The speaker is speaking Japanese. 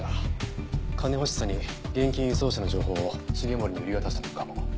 金欲しさに現金輸送車の情報を繁森に売り渡したのかも。